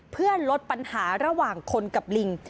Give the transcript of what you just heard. เพื่อลดปัญหาระหว่างคนกับลิง